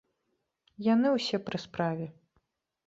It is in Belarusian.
Яны ўсе пры справе.